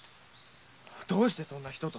どうしてそんな人と。